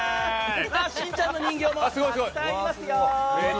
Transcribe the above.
しんちゃんの人形もたくさんありますよ。